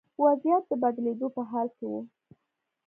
وضعیت د بدلېدو په حال کې و.